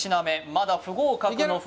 まだ不合格の札